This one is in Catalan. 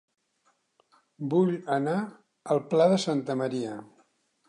Vull anar a El Pla de Santa Maria